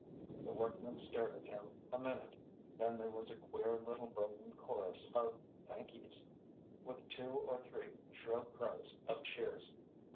The workmen stared at him a minute, then there was a queer little broken chorus of "Thank ye's," with two or three shrill crows of cheers.